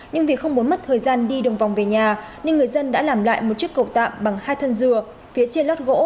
nhưng vì không muốn mất thời gian đi đường vòng về nhà nên người dân đã làm lại một chiếc cầu tạm bằng hai thân dừa phía trên lát gỗ